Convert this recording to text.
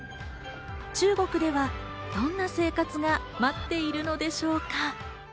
中国ではどんな生活が待っているのでしょうか？